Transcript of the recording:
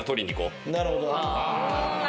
なるほど。